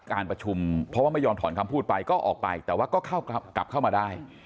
การประชุมเพราะว่าไม่ยอมถอนคำพูดไปก็ออกไปแต่ว่าก็กลับเข้ามาได้